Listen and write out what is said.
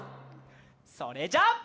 それじゃあ。